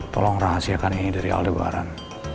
tolong rahasiakan ini dari aldebaran